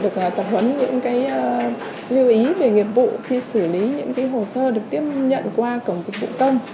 được tập huấn những lưu ý về nghiệp vụ khi xử lý những hồ sơ được tiếp nhận qua cổng dịch vụ công